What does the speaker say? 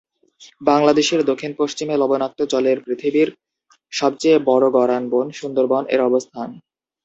বাংলাদেশের দক্ষিণ পশ্চিমে লবনাক্ত জলের পৃথিবীর সবচেয়ে বড় গড়ান বন, সুন্দরবন এর অবস্থান।